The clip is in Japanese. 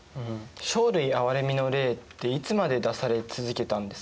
生類憐みの令っていつまで出され続けたんですか？